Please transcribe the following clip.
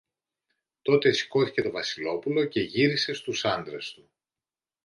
Τότε σηκώθηκε το Βασιλόπουλο και γύρισε στους άντρες του.